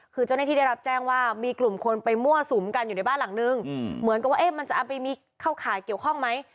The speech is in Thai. คือเจ้าหน้าที่ได้รับแจ้งว่ามีกลุ่มคนไปมั่วสุมกันอยู่ในบ้านหลังนึงเหมือนกับว่ามันจะเอาไปมีเข้าข่ายเกี่ยวข้องไหม